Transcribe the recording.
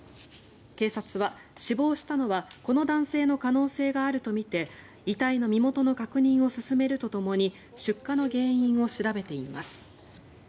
警察は死亡したのはこの男性の可能性があるとみて遺体の身元の確認を進めるとともに出火の原因を調べています。